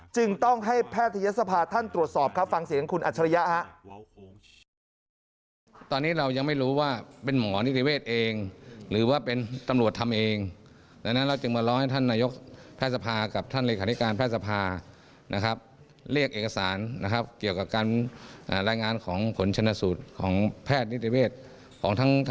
จึงต้องให้แพทยศภาท่านตรวจสอบครับฟังเสียงคุณอัจฉริยะฮะ